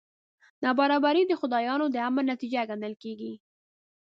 نابرابري د خدایانو د امر نتیجه ګڼل کېږي.